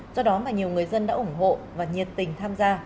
do đó mà nhiều người dân đã ủng hộ và nhiệt tình tham gia